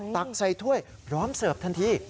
ตักใส่ถ้วยพร้อมเสิร์ฟทันที